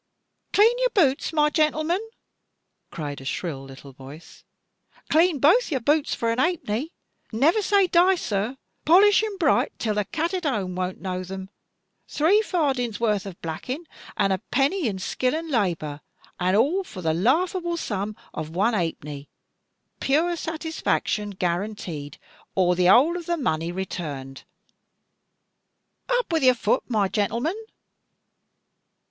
"Clean your boots, my gentleman," cried a little shrill voice; "clean both your boots for a halfpenny. Never say die, Sir; polish 'em bright till the cat at home won't know them. Three fardings worth of blacking, and a penny in skill and labour, and all for the laughable sum of one half penny. Pure satisfaction guaranteed, or the whole of the money returned. Up with your foot, my gentleman!"